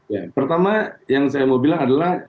ya pertama yang saya mau bilang adalah